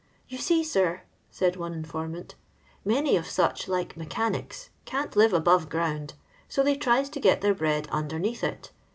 " You see, sir," said one informant, " many of such like mechanics can't live above ground, so they tries to get their bread underneath it.